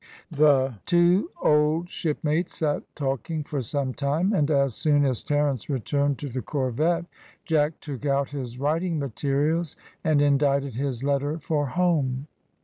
The two old shipmates sat talking for some time, and as soon as Terence returned to the corvette, Jack took out his writing materials and indited his letter for home.